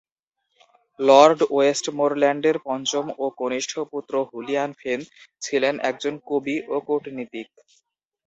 Lord ওয়েস্টমোরল্যান্ডের পঞ্চম ও কনিষ্ঠ পুত্র হুলিয়ান ফেন ছিলেন একজন কবি ও কূটনীতিক।